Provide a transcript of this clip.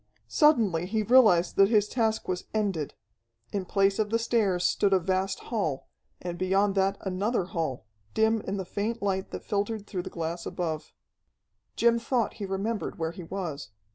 Suddenly he realized that his task was ended. In place of the stairs stood a vast hall, and beyond that another hall, dim in the faint light that filtered through the glass above. Jim thought he remembered where he was.